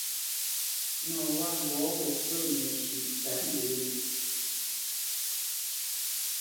Nɔ wâ ghɔ̂ wo pə̂ məshʉ̌ tât mbə yé.